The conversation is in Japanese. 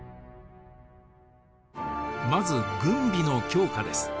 まず軍備の強化です。